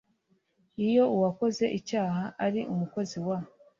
Iyo uwakoze icyaha ari umukozi wa